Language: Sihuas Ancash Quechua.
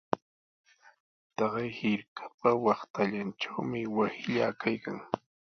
Taqay hirkapa waqtallantrawmi wasillaa kaykan.